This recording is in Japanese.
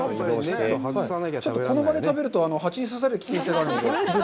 この場で食べると蜂に刺される危険性があるので。